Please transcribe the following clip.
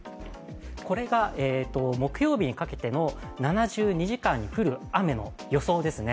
これが木曜日にかけての７２時間に降る雨の予想ですね。